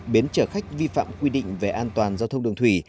bến chở khách vi phạm quy định về an toàn giao thông đường thủy